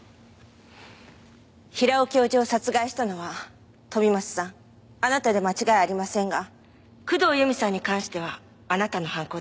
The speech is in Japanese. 平尾教授を殺害したのは飛松さんあなたで間違いありませんが工藤由美さんに関してはあなたの犯行ではありません。